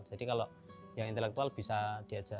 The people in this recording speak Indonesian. jadi kalau yang intelektual bisa dikawal bisa dikawal